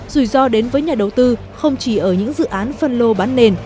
rủi ro đến với nhà đầu tư không chỉ ở những dự án phân lô bán nền